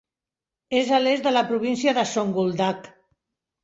És a l'est des de la província de Zonguldak.